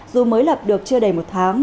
dù mới lập được chưa đầy một tháng